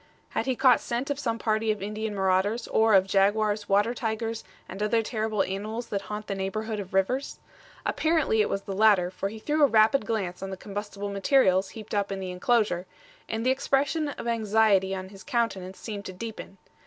Had he caught scent of some party of Indian marauders, or of jaguars, water tigers, and other terrible animals that haunt the neighborhood of rivers? Apparently it was the latter, for he threw a rapid glance on the combustible materials heaped up in the inclosure, and the expression of anxiety on his countenance seemed to deepen.